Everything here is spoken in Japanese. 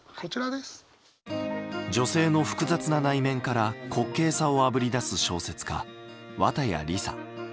女性の複雑な内面から滑稽さをあぶり出す小説家綿矢りさ。